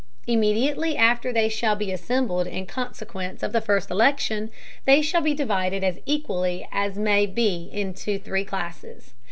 Immediately after they shall be assembled in Consequence of the first Election, they shall be divided as equally as may be into three Classes.